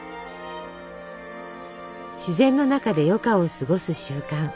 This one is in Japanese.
自然の中で余暇を過ごす習慣。